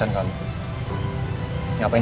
pertanyaan orang lain